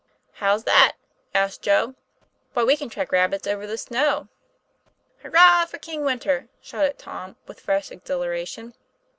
How's that ?" asked Joe. 'Why, we can track rabbits over the snow." "Hurrah for King Winter!" shouted Tom with fresh exhilaration.